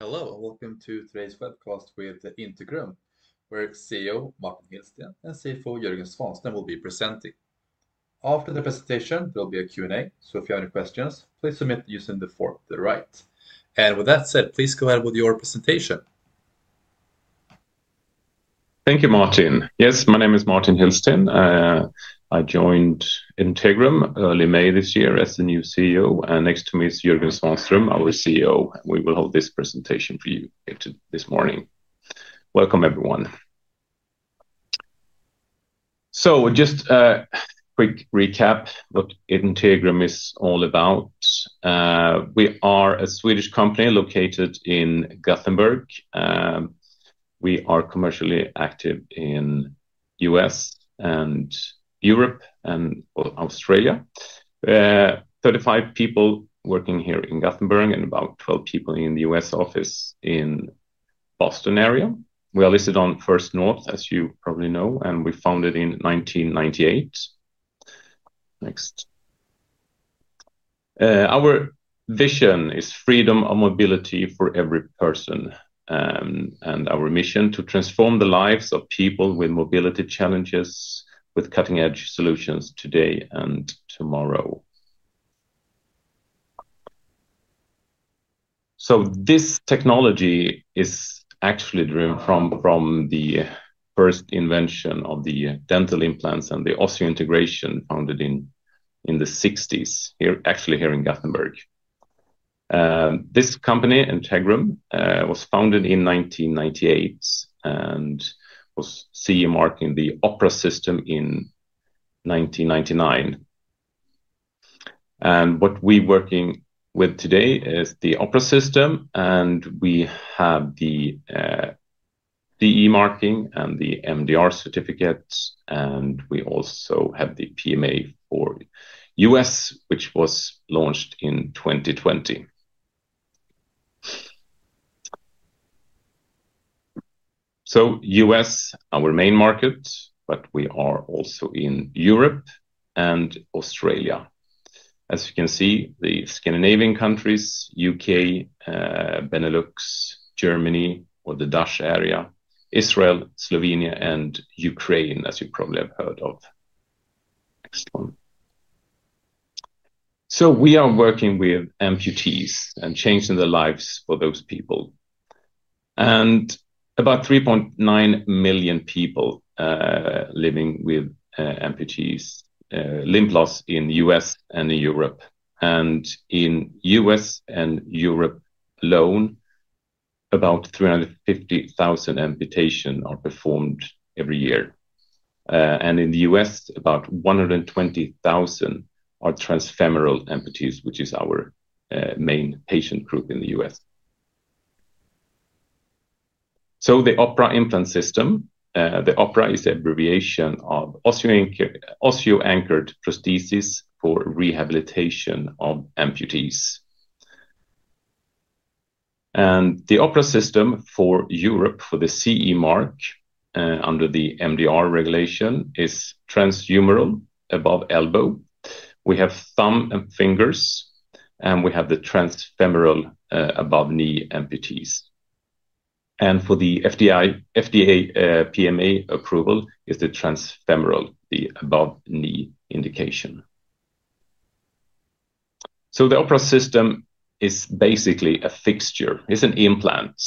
Hello, and welcome to today's webcast with Integrum, where CEO Martin Hillsten and CFO Jörgen Svanström will be presenting. After the presentation, there will be a Q&A, so if you have any questions, please submit using the form on the right. And with that said, please go ahead with your presentation. Thank you, Martin. Yes, my name is Martin Hillsten. I joined Integrum in early May this year as the new CEO, and next to me is Jörgen Svanström, our CFO. We will hold this presentation for you this morning. Welcome, everyone. So just a quick recap of what Integrum is all about. We are a Swedish company located in Gothenburg. We are commercially active in the U.S. and Europe and Australia. We have 35 people working here in Gothenburg and about 12 people in the U.S. office in the Boston area. We are listed on First North, as you probably know, and we founded in 1998. Next. Our vision is freedom of mobility for every person, and our mission is to transform the lives of people with mobility challenges with cutting-edge solutions today and tomorrow. This technology is actually derived from the first invention of the dental implants and the osseointegration founded in the '60s, actually here in Gothenburg. This company, Integrum, was founded in 1998 and was CE marking the OPRA system in 1999. What we're working with today is the OPRA system, and we have the CE marking and the MDR certificates, and we also have the PMA for the U.S., which was launched in 2020. The U.S. is our main market, but we are also in Europe and Australia. As you can see, the Scandinavian countries: U.K., Benelux, Germany, or the Dutch area, Israel, Slovenia, and Ukraine, as you probably have heard of. Next one. We are working with amputees and changing the lives for those people. About 3.9 million people are living with limb loss in the U.S. and in Europe. In the U.S. and Europe alone, about 350,000 amputations are performed every year. In the U.S., about 120,000 are transfemoral amputees, which is our main patient group in the U.S. The OPRA Implant System, the OPRA is the abbreviation of osseo-anchored prostheses for rehabilitation of amputees. The OPRA system for Europe, for the CE mark under the MDR regulation, is trans-humeral above elbow. We have thumb and fingers, and we have the transfemoral above-knee amputees. For the FDA PMA approval, it is the transfemoral, the above-knee indication. The OPRA system is basically a fixture. It is an implant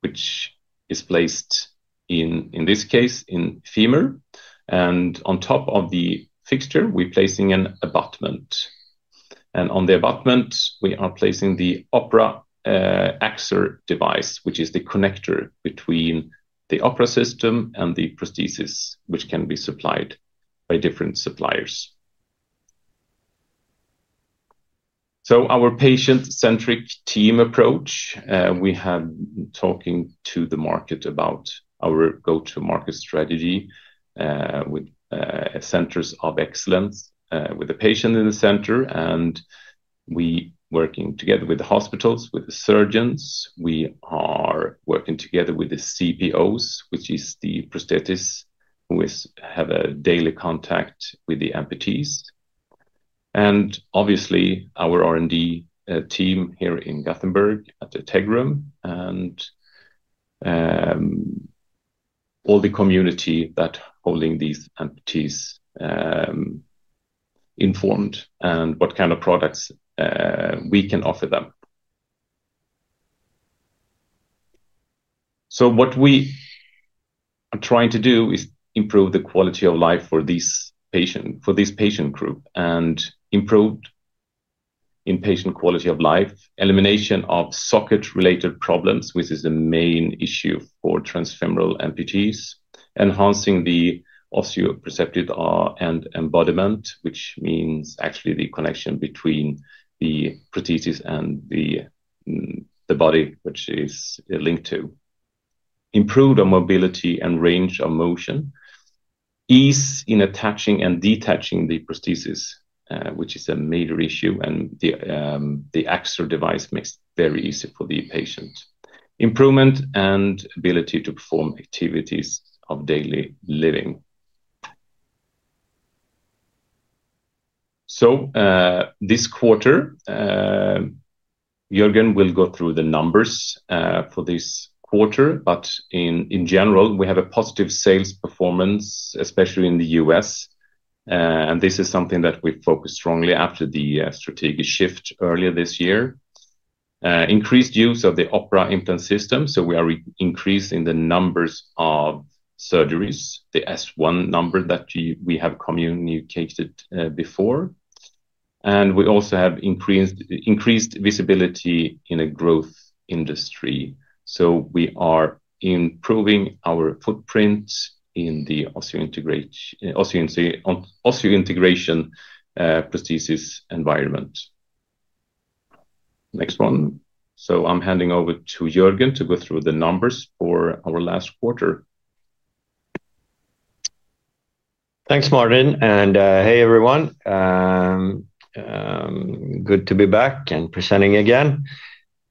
which is placed, in this case, in the femur, and on top of the fixture, we are placing an abutment. And on the abutment, we are placing the OPRA Axor device, which is the connector between the OPRA system and the prosthesis, which can be supplied by different suppliers. So our patient-centric team approach, we have been talking to the market about our go-to-market strategy with centers of excellence, with the patient in the center, and we are working together with the hospitals, with the surgeons. We are working together with the CPOs, which is the prosthetists, who have a daily contact with the amputees. And obviously, our R&D team here in Gothenburg at the Integrum and all the community that is holding these amputees informed on what kind of products we can offer them. So what we are trying to do is improve the quality of life for this patient group and improve inpatient quality of life, elimination of socket-related problems, which is the main issue for transfemoral amputees, enhancing the osseoperception and embodiment, which means actually the connection between the prosthesis and the body which it is linked to, improve the mobility and range of motion, ease in attaching and detaching the prosthesis, which is a major issue, and the Axor device makes it very easy for the patient, improvement and ability to perform activities of daily living. So this quarter, Jörgen will go through the numbers for this quarter, but in general, we have a positive sales performance, especially in the U.S., and this is something that we focused strongly on after the strategic shift earlier this year. Increased use of the OPRA Implant System, so we are increasing the numbers of surgeries, the S1 number that we have communicated before. We also have increased visibility in a growth industry, so we are improving our footprint in the osseointegration prosthesis environment. Next one, so I'm handing over to Jörgen to go through the numbers for our last quarter. Thanks, Martin. And hey, everyone. Good to be back and presenting again.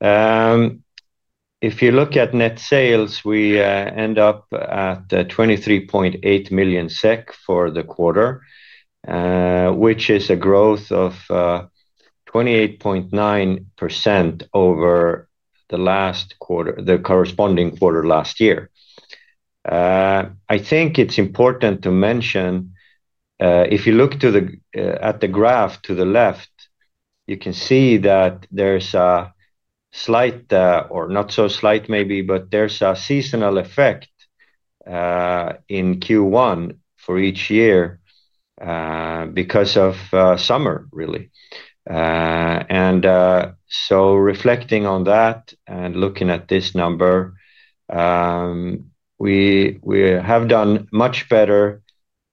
If you look at net sales, we end up at 23.8 million SEK for the quarter, which is a growth of 28.9% over the corresponding quarter last year. I think it's important to mention, if you look at the graph to the left, you can see that there's a slight, or not so slight maybe, but there's a seasonal effect in Q1 for each year because of summer, really. And so reflecting on that and looking at this number, we have done much better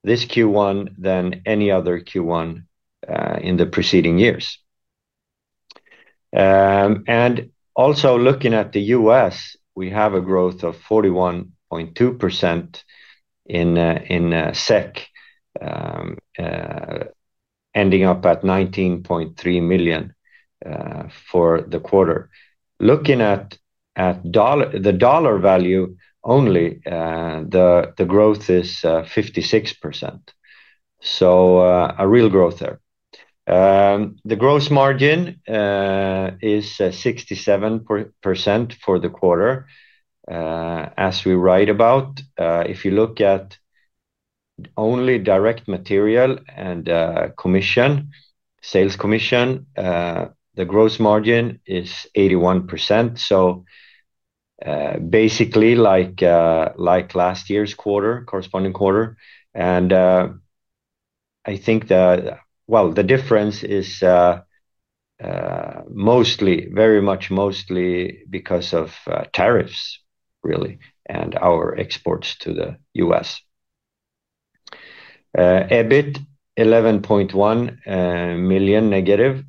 this Q1 than any other Q1 in the preceding years. And also looking at the US, we have a growth of 41.2% in SEK, ending up at 19.3 million for the quarter. Looking at the dollar value only, the growth is 56%. So a real growth there. The gross margin is 67% for the quarter, as we write about. If you look at only direct material and commission, sales commission, the gross margin is 81%. So basically like last year's quarter, corresponding quarter. And I think, well, the difference is very much mostly because of tariffs, really, and our exports to the US. EBIT, negative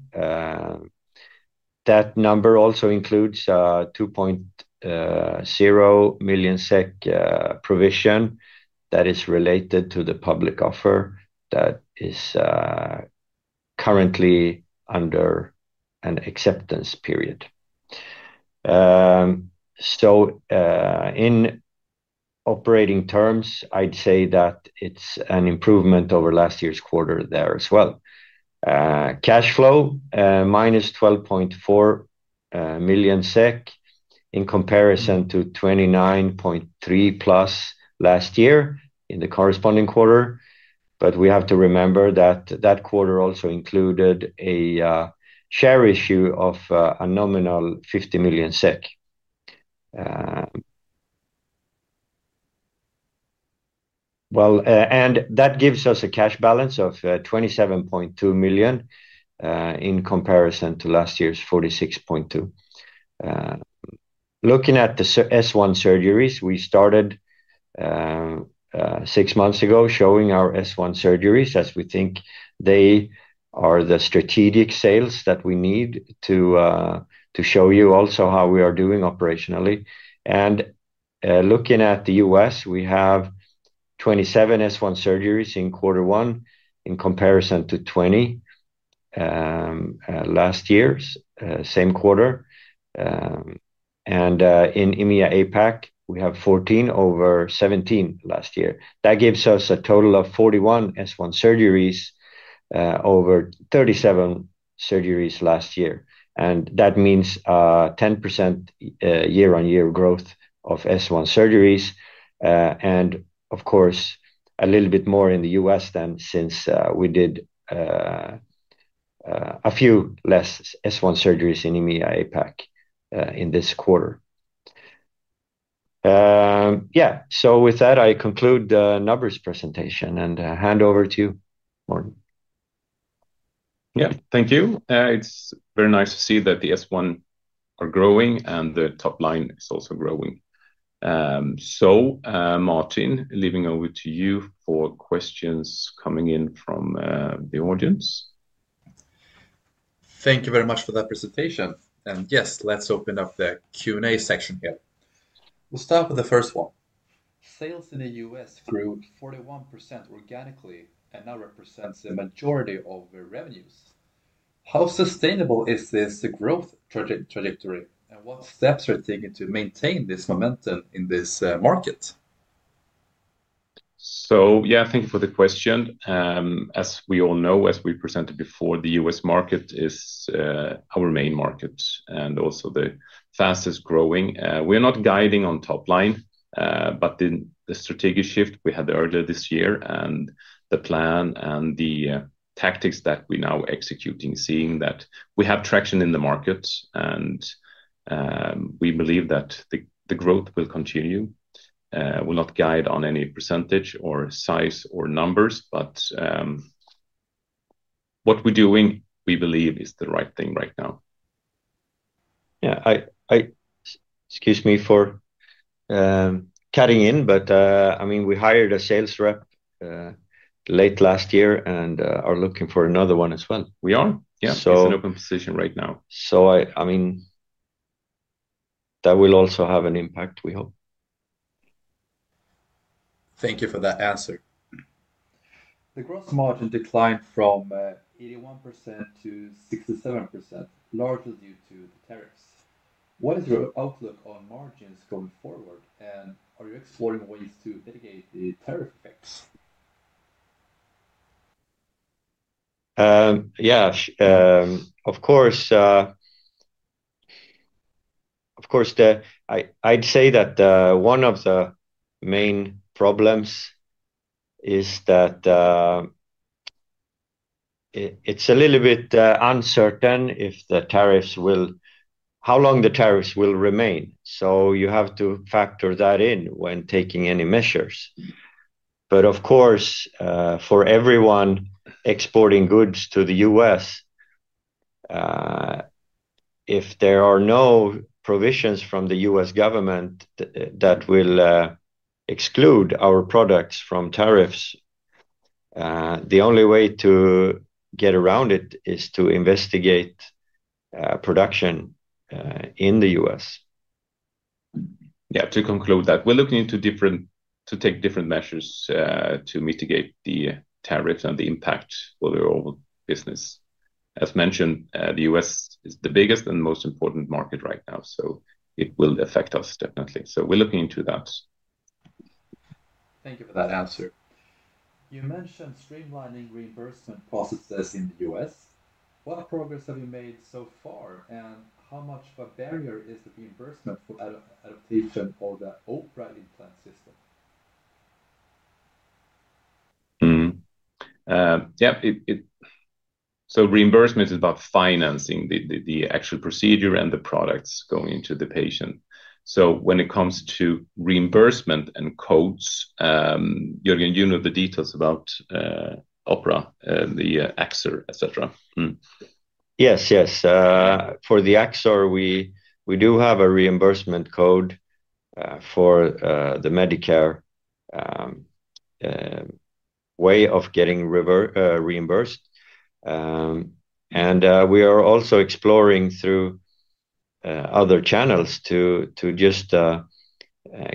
SEK 11.1 million. That number also includes 2.0 million SEK provision that is related to the public offer that is currently under an acceptance period. So in operating terms, I'd say that it's an improvement over last year's quarter there as well. Cash flow, minus 12.4 million SEK in comparison to plus SEK 29.3 million last year in the corresponding quarter. But we have to remember that that quarter also included a share issue of a nominal 50 million SEK. That gives us a cash balance of 27.2 million in comparison to last year's 46.2 million. Looking at the S1 surgeries, we started six months ago showing our S1 surgeries as we think they are the strategic sales that we need to show you also how we are doing operationally. Looking at the US, we have 27 S1 surgeries in quarter one in comparison to 20 last year, same quarter. In EMEA APAC, we have 14 over 17 last year. That gives us a total of 41 S1 surgeries over 37 surgeries last year. That means a 10% year-on-year growth of S1 surgeries. Of course, a little bit more in the U.S. than since we did a few less S1 surgeries in EMEA APAC in this quarter. Yeah, so with that, I conclude the numbers presentation and hand over to you, Martin. Yeah, thank you. It's very nice to see that the S1 are growing and the top line is also growing. So, Martin, handing over to you for questions coming in from the audience. Thank you very much for that presentation. And yes, let's open up the Q&A section here. We'll start with the first one. Sales in the U.S. grew 41% organically and now represents the majority of revenues. How sustainable is this growth trajectory? And what steps are taken to maintain this momentum in this market? So yeah, thank you for the question. As we all know, as we presented before, the U.S. market is our main market and also the fastest growing. We are not guiding on top line, but the strategic shift we had earlier this year and the plan and the tactics that we're now executing, seeing that we have traction in the market and we believe that the growth will continue. We'll not guide on any percentage or size or numbers, but what we're doing, we believe, is the right thing right now. Yeah, excuse me for cutting in, but I mean, we hired a sales rep late last year and are looking for another one as well. We are. Yeah, it's an open position right now. I mean, that will also have an impact, we hope. Thank you for that answer. The gross margin declined from 81% to 67%, largely due to the tariffs. What is your outlook on margins going forward, and are you exploring ways to mitigate the tariff effects? Yeah, of course. Of course, I'd say that one of the main problems is that it's a little bit uncertain if the tariffs will, how long the tariffs will remain. So you have to factor that in when taking any measures. But of course, for everyone exporting goods to the U.S., if there are no provisions from the U.S. government that will exclude our products from tariffs, the only way to get around it is to investigate production in the U.S. Yeah, to conclude that, we're looking to take different measures to mitigate the tariffs and the impact for their own business. As mentioned, the U.S. is the biggest and most important market right now, so it will affect us, definitely, so we're looking into that. Thank you for that answer. You mentioned streamlining reimbursement processes in the U.S. What progress have you made so far, and how much of a barrier is the reimbursement for adaptation of the OPRA Implant System? Yeah, so reimbursement is about financing the actual procedure and the products going into the patient. So when it comes to reimbursement and codes, Jörgen, you know the details about OPRA, the Axor, etc. Yes, yes. For the Axor, we do have a reimbursement code for the Medicare way of getting reimbursed. And we are also exploring through other channels to just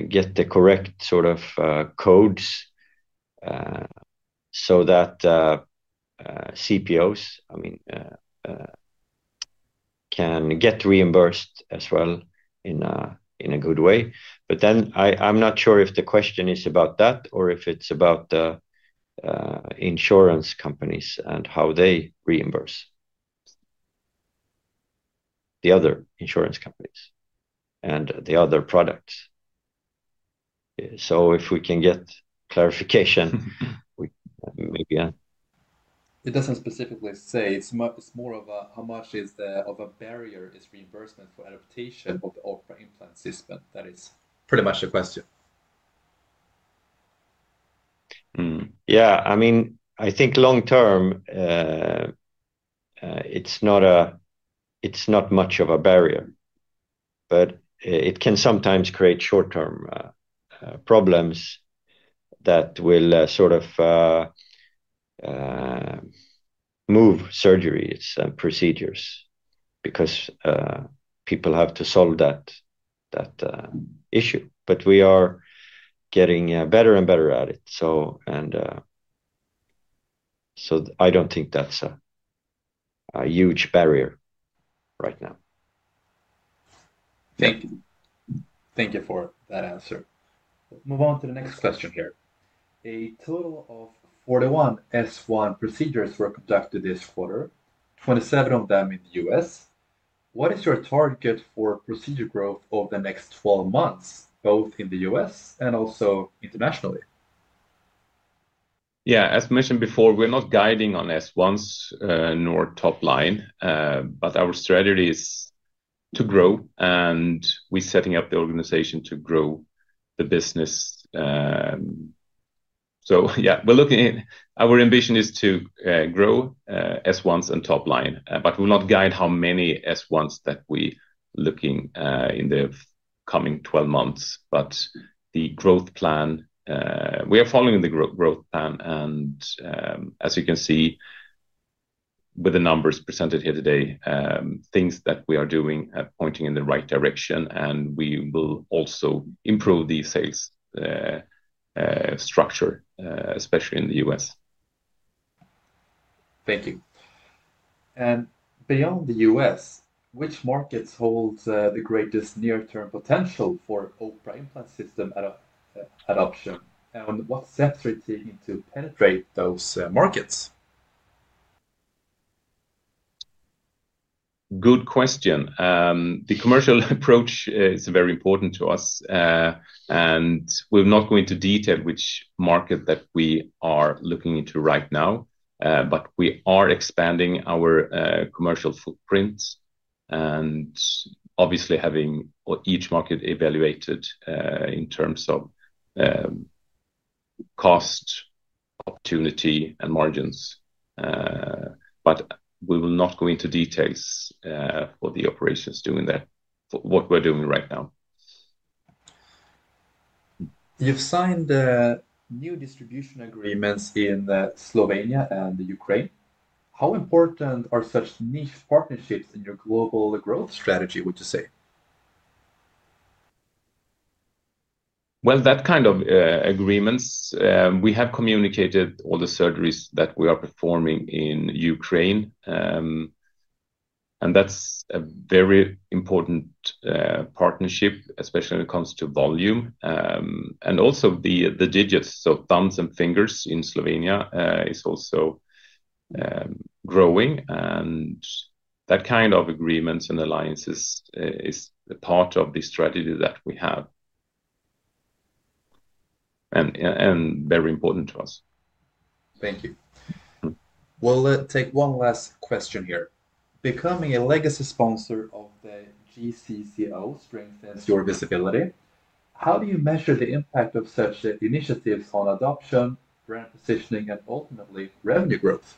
get the correct sort of codes so that CPOs, I mean, can get reimbursed as well in a good way. But then I'm not sure if the question is about that or if it's about the insurance companies and how they reimburse the other insurance companies and the other products. So if we can get clarification, maybe. It doesn't specifically say. It's more of how much of a barrier is reimbursement for adaptation of the OPRA Implant System. That is. Pretty much the question. Yeah, I mean, I think long term, it's not much of a barrier, but it can sometimes create short-term problems that will sort of move surgeries and procedures because people have to solve that issue. But we are getting better and better at it. And so I don't think that's a huge barrier right now. Thank you. Thank you for that answer. Move on to the next question here. A total of 41 S1 procedures were conducted this quarter, 27 of them in the U.S. What is your target for procedure growth over the next 12 months, both in the U.S. and also internationally? Yeah, as mentioned before, we're not guiding on S1s nor top line, but our strategy is to grow, and we're setting up the organization to grow the business, so yeah, we're looking at our ambition is to grow S1s and top line, but we will not guide how many S1s that we are looking in the coming 12 months, but the growth plan, we are following the growth plan, and as you can see with the numbers presented here today, things that we are doing are pointing in the right direction, and we will also improve the sales structure, especially in the U.S. Thank you. And beyond the U.S., which markets hold the greatest near-term potential for OPRA Implant System adoption? And what steps are you taking to penetrate those markets? Good question. The commercial approach is very important to us. And we're not going into detail which market that we are looking into right now, but we are expanding our commercial footprint and obviously having each market evaluated in terms of cost, opportunity, and margins. But we will not go into details for the operations doing that, what we're doing right now. You've signed new distribution agreements in Slovenia and Ukraine. How important are such niche partnerships in your global growth strategy, would you say? That kind of agreements, we have communicated all the surgeries that we are performing in Ukraine, and that's a very important partnership, especially when it comes to volume. And also the digits of thumbs and fingers in Slovenia is also growing, and that kind of agreements and alliances is a part of the strategy that we have and very important to us. Thank you. We'll take one last question here. Becoming a legacy sponsor of the GCCO strengthens your visibility. How do you measure the impact of such initiatives on adoption, brand positioning, and ultimately revenue growth?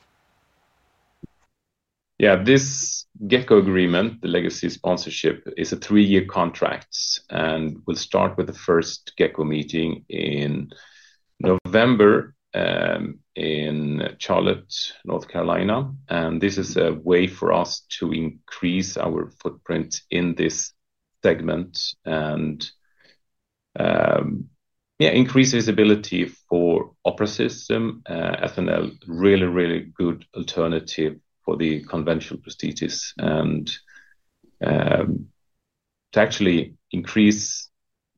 Yeah, this GECCO agreement, the legacy sponsorship, is a three-year contract. And we'll start with the first GECCO meeting in November in Charlotte, North Carolina. And this is a way for us to increase our footprint in this segment and, yeah, increase visibility for OPRA system. OPRA, really, really good alternative for the conventional procedures and to actually increase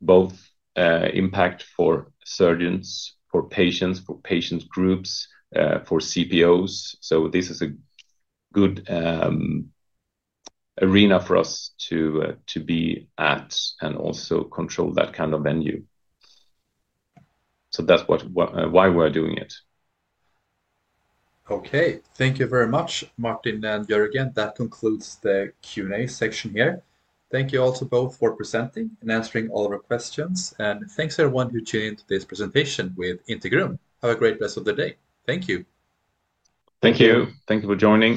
both impact for surgeons, for patients, for patient groups, for CPOs. So this is a good arena for us to be at and also control that kind of venue. So that's why we're doing it. Okay, thank you very much, Martin and Jörgen. That concludes the Q&A section here. Thank you also both for presenting and answering all of our questions. And thanks everyone who tuned in to this presentation with Integrum. Have a great rest of the day. Thank you. Thank you. Thank you for joining.